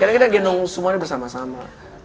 karena kita gendong semuanya bersama sama